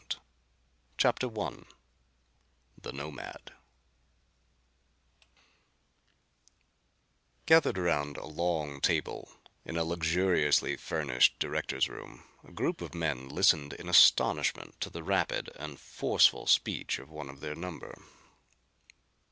] CHAPTER I The Nomad Gathered around a long table in a luxuriously furnished director's room, a group of men listened in astonishment to the rapid and forceful speech of one of their number.